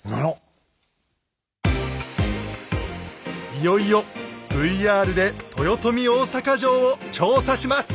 いよいよＶＲで豊臣大坂城を調査します。